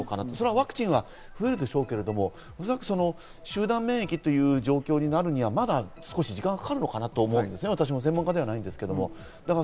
ワクチンは増えるでしょうけど、集団免疫という状況になるにはまだ時間がかかるかなと思うんですね、専門家ではないですけど。